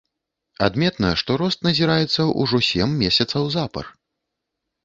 Адметна, што рост назіраецца вось ужо сем месяцаў запар.